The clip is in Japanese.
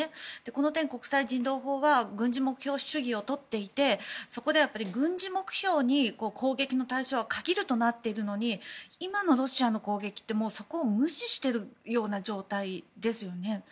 この点、国際人道法は軍事目標主義を掲げていて攻撃の対象を限るとなっているのに今のロシアの攻撃ってそこを無視してる状態ですよね。